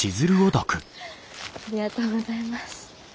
フッありがとうございます。